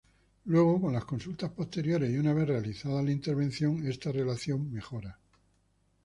Luego, con las consultas posteriores y una vez realizada la intervención, esta relación mejora.